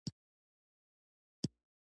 علي تل بې ځایه او بې وخته پیسې لګوي.